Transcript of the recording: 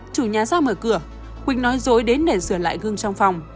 chủ nhà ra mở cửa quỳnh nói dối đến để sửa lại gương trong phòng